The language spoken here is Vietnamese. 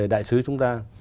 đại sứ chúng ta